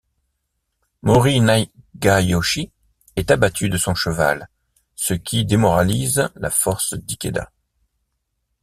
Mori Nagayoshi est abattu de son cheval, ce qui démoralisé la force d'Ikeda.